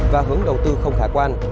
và hướng đầu tư không khả quan